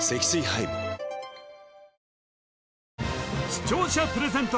視聴者プレゼント